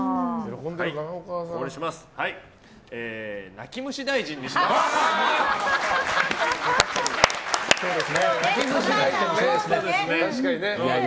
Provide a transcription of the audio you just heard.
泣き虫大臣にします。